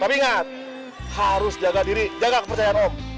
tapi ingat harus jaga diri jaga kepercayaan om